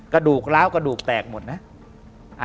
กระดูกล้าวกระดูกแตกหมดนะ